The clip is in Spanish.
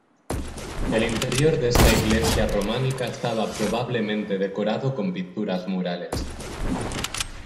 El interior de esta iglesia románica estaba probablemente decorado con pinturas murales.